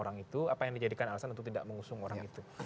apa yang dijadikan alasan untuk tidak mengusung orang itu